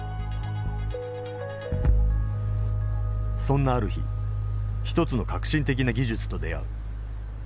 そんなある日一つの革新的な技術と出会う。